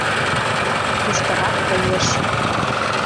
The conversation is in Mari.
Туштырак коеш